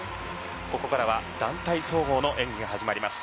ここからは団体総合の演技が始まります。